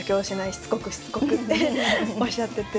「しつこくしつこく」っておっしゃってて。